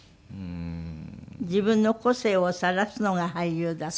自分の個性をさらすのが俳優だって。